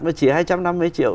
mà chỉ hai trăm năm mươi triệu